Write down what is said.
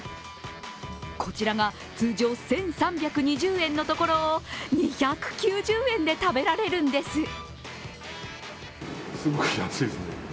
こちらが通常１３２０円のところを２９０円で食べられるんです。